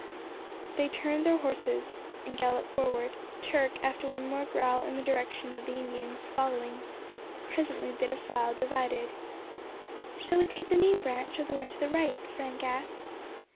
They turned their horses, and galloped forward, Turk, after one more growl in the direction of the Indians, following. Presently the defile divided. "Shall we take the main branch, or the one to the right?" Frank asked.